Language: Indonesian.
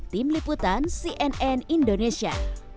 tim liputan cnn indonesia